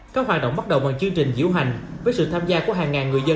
các hoạt động bắt đầu bằng chương trình diễu hành với sự tham gia của hàng ngàn người dân